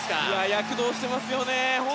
躍動していますね。